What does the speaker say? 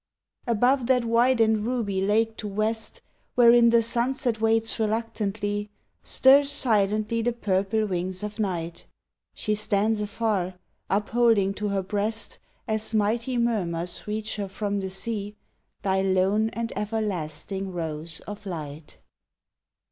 Above that wide and ruby lake to West Wherein the sunset waits reluctantly. Stir silently the purple wings of Night. She stands afar, upholding to her breast. As mighty murmurs reach her from the sea. Thy lone and everlasting rose of light.